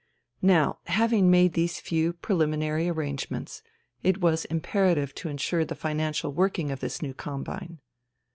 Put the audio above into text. Now, having made these few preliminary arrange ments, it was imperative to ensure the financial working of this new combine.